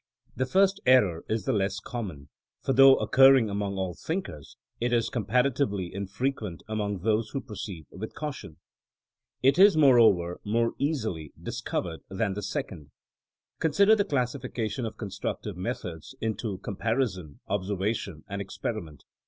The first error is the less common, for though occurring among all thinkers, it is compara tively infrequent among those who proceed with caution. It is, moreover, more easily discov THINEINO AS A SCIENCE 53 ered than the second. Consider the classifica tion of constructive methods into comparison, observation, and experiment.